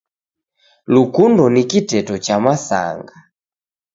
Lukundo ni kiteto cha masanga